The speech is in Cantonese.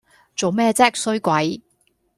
做咩啫衰鬼